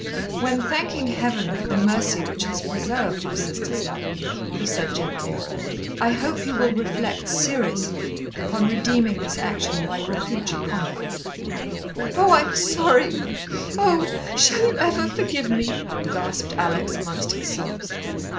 "When thanking Heaven for the mercy which has preserved your sister's life," he said gently, "I hope you will reflect seriously upon redeeming this action by your future conduct." "Oh, I'm sorry oh, shall you ever forgive me?" gasped Alex, amongst her sobs.